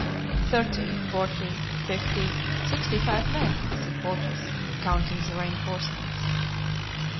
"Thirty, forty, fifty, sixty five men," said Porthos, counting the reinforcements.